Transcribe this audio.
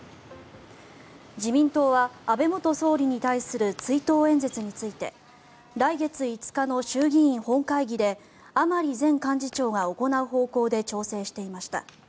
自民党は安倍元総理に対する追悼演説について来月５日の衆議院本会議で甘利前幹事長が行う方向で調整していました。